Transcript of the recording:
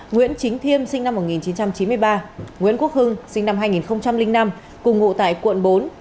nguyễn chính thiêm sinh năm một nghìn chín trăm chín mươi ba nguyễn quốc hưng sinh năm hai nghìn năm cùng ngụ tại quận bốn